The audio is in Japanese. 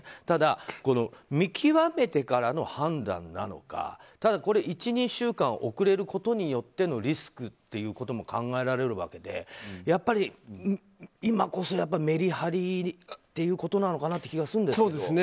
ただ、見極めてからの判断なのかただ１２週間遅れることによってのリスクっていうことも考えられるわけでやっぱり、今こそメリハリっていうことなのかなという気がするんですけど。